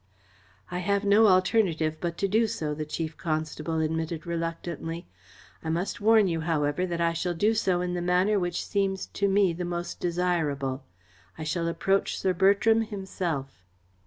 "I have no alternative but to do so," the Chief Constable admitted reluctantly. "I must warn you, however, that I shall do so in the manner which seems to me the most desirable. I shall approach Sir Bertram himself."